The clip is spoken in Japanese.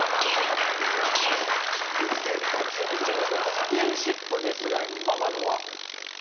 スキンシップですが天野は？